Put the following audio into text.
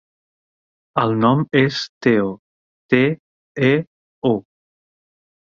El nom és Teo: te, e, o.